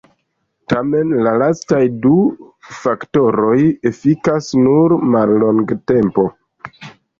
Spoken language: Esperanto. Tamen la lastaj du faktoroj efikas nur mallongtempe.